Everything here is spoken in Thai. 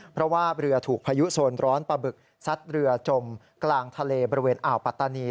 เพราะว่าเรือถูกพายุโซนร้อนปลาบึกซัดเรือจมกลางทะเลบริเวณอ่าวปัตตานี